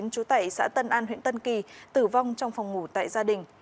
chú tẩy xã tân an huyện tân kỳ tử vong trong phòng ngủ tại gia đình